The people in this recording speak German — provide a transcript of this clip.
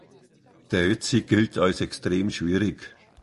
Der „Ötzi“ gilt als extrem schwierig.